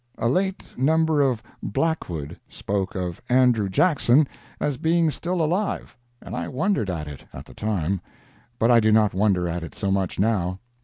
A late number of Blackwood spoke of Andrew Jackson as being still alive, and I wondered at it at the time, but I do not wonder at it so much now.